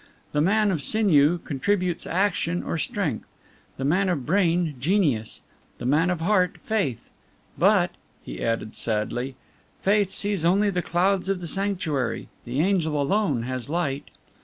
The man of sinew contributes action or strength; the man of brain, genius; the man of heart, faith. But," he added sadly, "faith sees only the clouds of the sanctuary; the Angel alone has light."